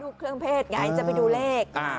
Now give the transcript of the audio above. เครื่องเพศไงจะไปดูเลข